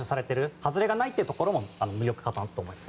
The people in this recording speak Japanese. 外れがないというところも魅力かなと思います。